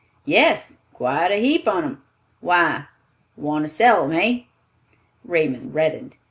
"Yes, quite a heap on 'em. Why? Want to steal 'em, hey?" Raymond reddened.